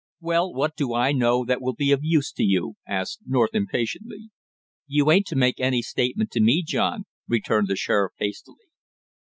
"Well, what do I know that will be of use to you?" asked North impatiently. "You ain't to make any statement to me, John," returned the sheriff hastily.